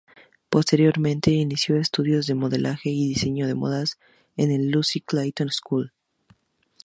Posteriormente inicio estudios de modelaje y diseño de modas en el Lucy Clayton School.